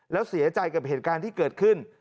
แล้วเสียใจกับเหตุการณ์ที่เกิดขึ้น